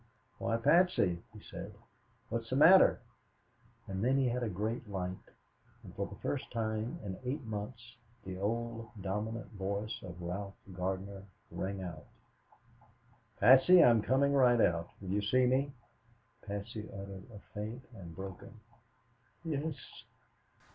"Why, Patsy," he said, "what's the matter?" And then he had a great light, and for the first time in eight months, the old dominant voice of Ralph Gardner rang out: "Patsy, I'm coming right out. Will you see me?" And Patsy uttered a faint and broken, "Ye s."